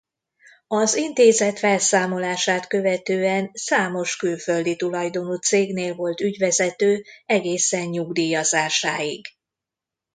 Az intézet felszámolását követően számos külföldi tulajdonú cégnél volt ügyvezető egészen nyugdíjazásáig.